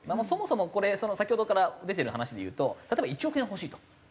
そもそもこれ先ほどから出てる話でいうと例えば１億円欲しいと。